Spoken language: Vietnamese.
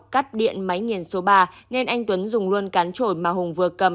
cắt điện máy nghiền số ba nên anh tuấn dùng luôn cán trồi mà hùng vừa cầm